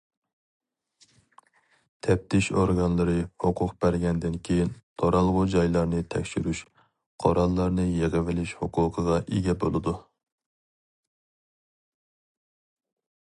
تەپتىش ئورگانلىرى ھوقۇق بەرگەندىن كىيىن تۇرالغۇ جايلارنى تەكشۈرۈش، قوراللارنى يىغىۋېلىش ھوقۇقىغا ئىگە بولىدۇ.